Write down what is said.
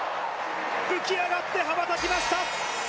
浮き上がって羽ばたきました！